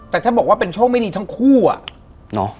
แต่ถ้าบอกว่าเป็นโชคไม่ดีทั้งคู่อ่ะเนาะ